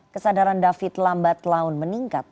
kesadaran david lambat laun meningkat